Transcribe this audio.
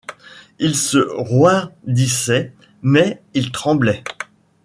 Il se roidissait, mais il tremblait.